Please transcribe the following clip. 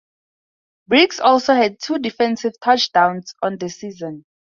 Briggs also had two defensive touchdowns on the season.